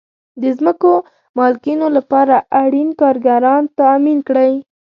د ځمکو مالکینو لپاره اړین کارګران تامین کړئ.